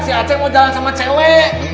si aceh mau jalan sama cewek